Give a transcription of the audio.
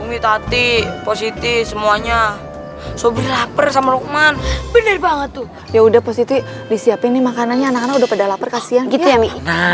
umid hati positif semuanya sobir laper sama lukman bener banget tuh ya udah positif disiapin nih makanannya anak anak udah pada lapar kasihan gitu ya mi